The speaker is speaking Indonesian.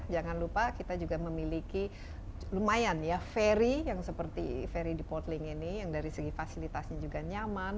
jangan lupa kita juga memiliki lumayan ya ferry yang seperti ferry deportlink ini yang dari segi fasilitasnya juga nyaman